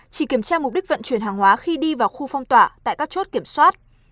chỉ kiểm tra mục đích vận chuyển hàng hóa khi đi vào khu phong tỏa tại các chốt kiểm soát